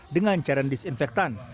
dengan cara disinfektan